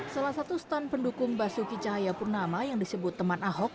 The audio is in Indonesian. salah satu stand pendukung basuki cahaya purnama yang disebut teman ahok